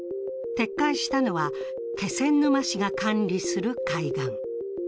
撤回したのは、気仙沼市が管理する海岸。